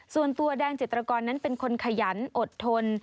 ส่วนตัวแดงจิตรกรนั้นเป็นคนขยันอดทน